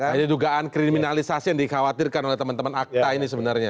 jadi dugaan kriminalisasi yang dikhawatirkan oleh teman teman akta ini sebenarnya